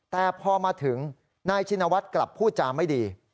แต่พอมาถึงนายชินวัฒน์กลับพูดจาไม่ดี